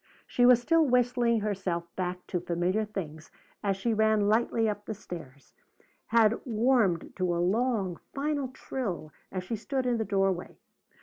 She was still whistling herself back to familiar things as she ran lightly up the stairs; had warmed to a long final trill as she stood in the doorway.